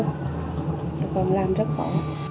còn làm rất khó